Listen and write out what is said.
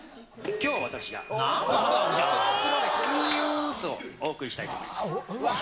きょうは、私がプププププロレスニュースをお送りしたいと思います。